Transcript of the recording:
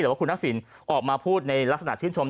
แต่ว่าคุณทักษิณออกมาพูดในลักษณะชื่นชม